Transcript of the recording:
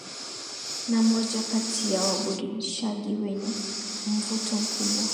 Na moja kati ya waburudishaji wenye mvuto mkubwa